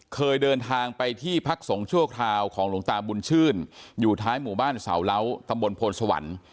เคยเดินทางไปที่พักสงฆ์ชั่วคราวของหลวงตาบุญชื่นอยู่ท้ายหมู่บ้านเสาเหล้าตำบลโพนสวรรค์